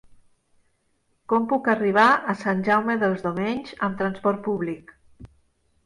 Com puc arribar a Sant Jaume dels Domenys amb trasport públic?